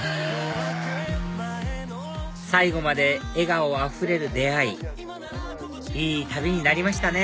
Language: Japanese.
最後まで笑顔あふれる出会いいい旅になりましたね